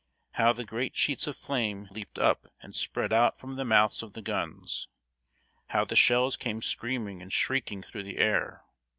How the great sheets of flame leaped up and spread out from the mouths of the guns! How the shells came screaming and shrieking through the air!